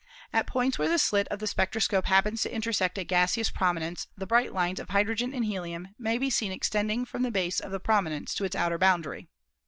At points where the slit of the spectroscope happens to intersect a gaseous prominence the bright lines of hydrogen and helium may be seen extending from the base of the prominence to its outer boundary.